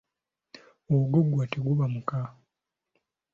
Oguggwa, teguba muka.